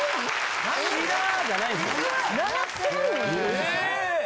・え？